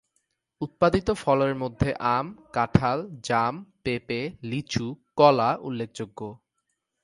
উৎপাদিত ফলের মধ্যে আম, কাঁঠাল, জাম, পেঁপে, লিচু, কলা উল্লেখযোগ্য।